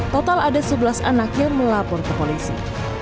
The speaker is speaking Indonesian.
total ada sebelas anak yang melapor ke polisi